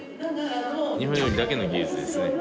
日本料理だけの技術ですね。